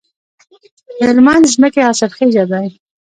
د هلمند ځمکې حاصلخیزه دي